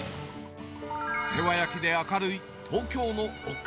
世話焼きで明るい東京のおっか